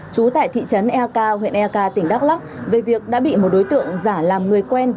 trú tại thị trấn eak huyện eka tỉnh đắk lắc về việc đã bị một đối tượng giả làm người quen